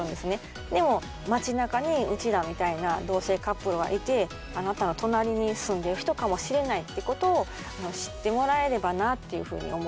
でも街なかにうちらみたいな同性カップルはいてあなたの隣に住んでる人かもしれないってことを知ってもらえればなっていうふうに思います。